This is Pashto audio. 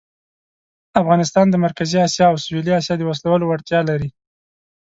افغانستان د مرکزي آسیا او سویلي آسیا د وصلولو وړتیا لري.